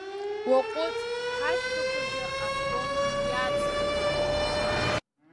Уаҟәыҵ, ҳашьхақәагьы афронт иацхраауеит.